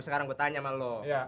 sekarang gue tanya sama lo